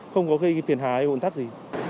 không có gây phiền hà hay hộn tác gì